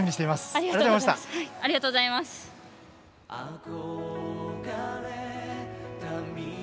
ありがとうございます。